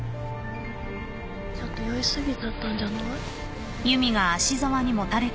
ちょっと酔い過ぎちゃったんじゃない？